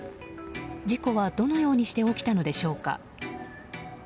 事故はどのようにして起きたのでしょうか。